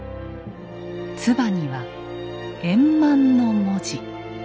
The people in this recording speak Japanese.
つばには「円満」の文字。